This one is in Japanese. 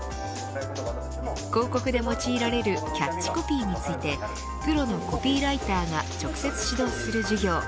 広告で用いられるキャッチコピーについてプロのコピーライターが直接指導する授業。